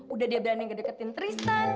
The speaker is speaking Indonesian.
udah dia berani ngedeketin tristan